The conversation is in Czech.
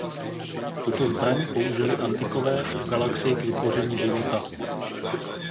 Tuto zbraň použili Antikové v galaxii k vytvoření života.